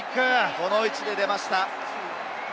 この位置で出ました。